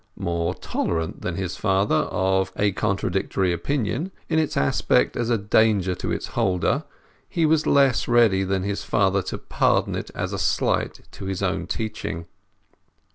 More tolerant than his father of a contradictory opinion, in its aspect as a danger to its holder, he was less ready than his father to pardon it as a slight to his own teaching.